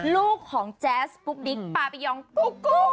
ลูกของแจ๊สปุ๊บดิ๊กปะไปย๋องกุ๊กกุ๊ก